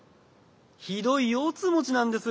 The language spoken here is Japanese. ひどいようつうもちなんです。